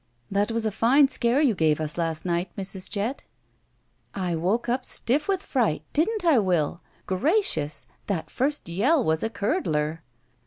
* 'That was a fine scare you gave us last night, Mrs. Jett." I woke up stiff with fright. Didn't I, Will? Gracious! That first yell was a curdler!"